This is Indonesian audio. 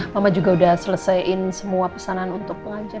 mama juga udah selesain semua pesanan untuk pengajian